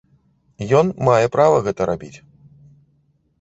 Ён мае права гэта рабіць.